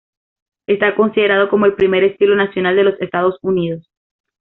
Está considerado como el primer estilo nacional de los Estados Unidos.